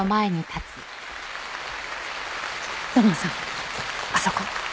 土門さんあそこ。